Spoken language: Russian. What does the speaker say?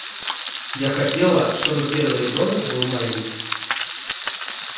Я хотела, чтобы первый ребенок был моим.